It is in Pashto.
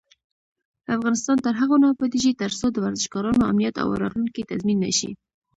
افغانستان تر هغو نه ابادیږي، ترڅو د ورزشکارانو امنیت او راتلونکی تضمین نشي.